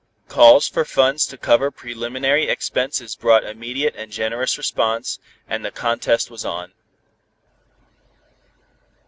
Calls for funds to cover preliminary expenses brought immediate and generous response, and the contest was on.